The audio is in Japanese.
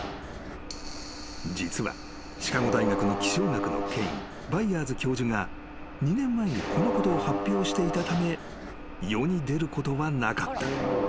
［実はシカゴ大学の気象学の権威バイヤーズ教授が２年前にこのことを発表していたため世に出ることはなかった］